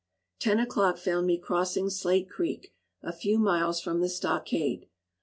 Ten o'clock found me crossing Slate Creek, a few miles from the stockade.